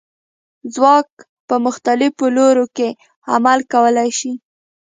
ځواک په مختلفو لورو کې عمل کولی شي.